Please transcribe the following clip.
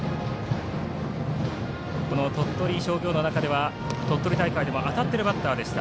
この鳥取商業の中では鳥取大会でも当たっているバッターでした。